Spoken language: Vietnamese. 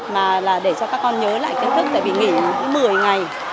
mà là để cho các con nhớ lại kiến thức tại vì nghỉ một mươi ngày